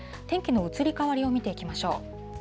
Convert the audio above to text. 天気の移り変わりを見ていきましょう。